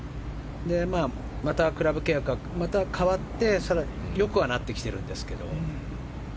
またクラブ契約が変わって更に良くはなってきているんですけど。